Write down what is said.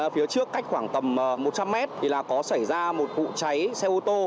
phía trước cách khoảng tầm một trăm linh mét thì là có xảy ra một vụ cháy xe ô tô